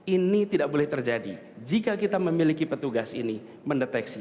ini tidak boleh terjadi jika kita memiliki petugas ini mendeteksi